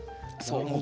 そう。